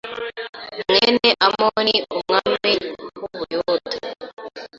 mwene Amoni umwami w’u Buyuda,